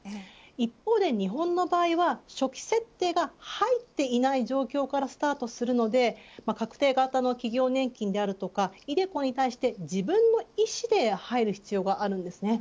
一方で日本の場合は初期設定が入っていない状態からスタートするので確定型の企業年金であるとかｉＤｅＣｏに対して自分の意思で入る必要があるんです。